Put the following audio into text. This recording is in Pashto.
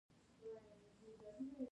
راشد خان یو نامتو بالر دئ.